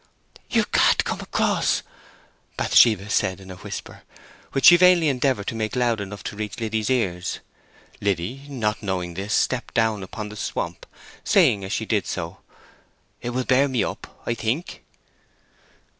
"You can't come across," Bathsheba said in a whisper, which she vainly endeavoured to make loud enough to reach Liddy's ears. Liddy, not knowing this, stepped down upon the swamp, saying, as she did so, "It will bear me up, I think."